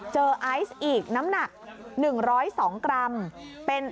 ไอซ์อีกน้ำหนัก๑๐๒กรัม